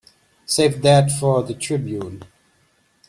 Save that for the Tribune.